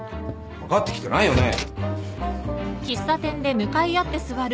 かかってきてないよね？